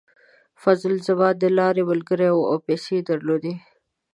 فضل زما د لارې ملګری و او پیسې یې درلودې.